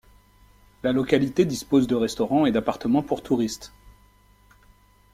La localité dispose de restaurants et d'appartements pour touristes.